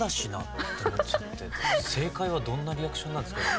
正解はどんなリアクションなんですかね？